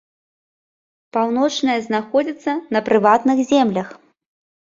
Паўночная знаходзіцца на прыватных землях.